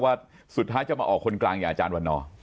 ว่าสุดท้ายจะมาออกคนกลางอย่างอาจารย์วันนอร์